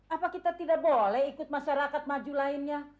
apa kita tidak boleh ikut masyarakat maju lainnya